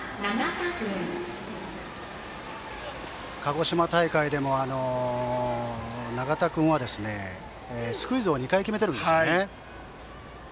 鹿児島大会でも永田君はスクイズを２回決めているんですね。